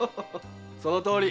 そのとおり。